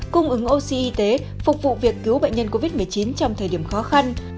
cung ứng oxy y tế phục vụ việc cứu bệnh nhân covid một mươi chín trong thời điểm khó khăn